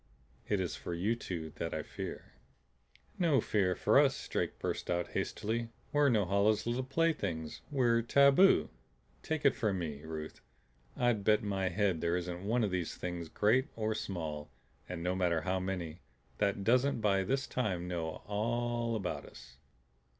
It is for you two that I fear." "No fear for us," Drake burst out hastily. "We're Norhala's little playthings. We're tabu. Take it from me, Ruth, I'd bet my head there isn't one of these Things, great or small, and no matter how many, that doesn't by this time know all about us.